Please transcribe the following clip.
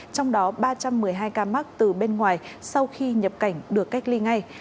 trong đó ba trăm một mươi hai ca mắc từ bên ngoài sau khi nhập cảnh được cách ly ngay